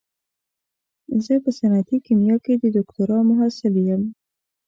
زه په صنعتي کيميا کې د دوکتورا محصل يم.